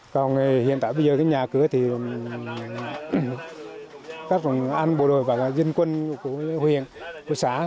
còn hiện tại bây giờ cái nhà cửa thì các anh bộ đội và dân quân của huyện của xã